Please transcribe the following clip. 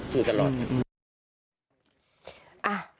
สู้ตลอด